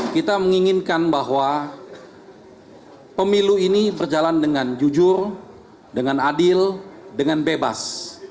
kita menginginkan bahwa pemilu ini berjalan dengan jujur dengan adil dengan bebas